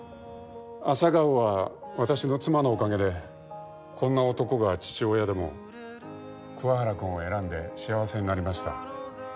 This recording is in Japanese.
朝顔は私の妻のおかげでこんな男が父親でも桑原君を選んで幸せになりました。